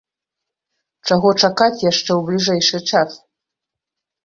Чаго чакаць яшчэ ў бліжэйшы час?